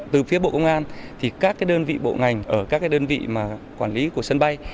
từ phía bộ công an thì các đơn vị bộ ngành ở các đơn vị quản lý của sân bay